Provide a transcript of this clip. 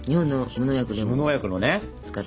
無農薬のね。